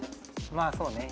まあそうね。